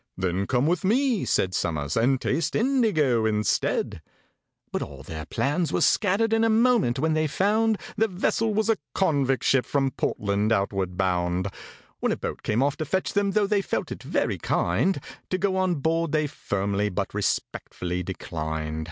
"Then come with me," said SOMERS, "and taste indigo instead." But all their plans were scattered in a moment when they found The vessel was a convict ship from Portland, outward bound; When a boat came off to fetch them, though they felt it very kind, To go on board they firmly but respectfully declined.